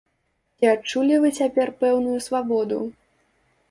Ці адчулі вы цяпер пэўную свабоду?